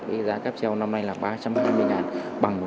với giá cáp treo năm nay là ba trăm hai mươi